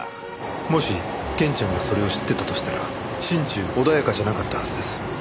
もしケンちゃんがそれを知っていたとしたら心中穏やかじゃなかったはずです。